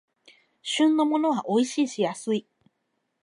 旬のものはおいしいし安い